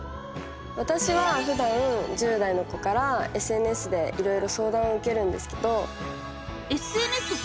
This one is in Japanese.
私はふだん１０代の子からＳＮＳでいろいろ相談を受けるんですけど。